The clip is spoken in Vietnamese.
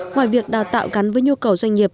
ngoài việc đào tạo gắn với nhu cầu doanh nghiệp